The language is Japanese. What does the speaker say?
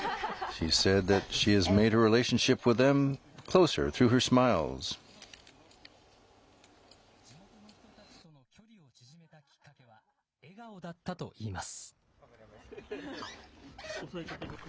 地元の人たちとの距離を縮めたきっかけは、笑顔だったといいます。